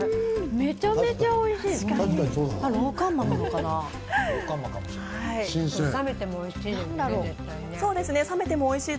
めちゃめちゃおいしい！